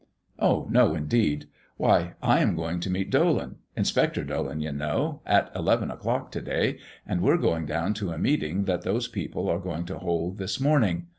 "Oh no, indeed. Why, I'm going to meet Dolan Inspector Dolan, you know at eleven o'clock to day, and we're going down to a meeting that those people are going to hold this morning.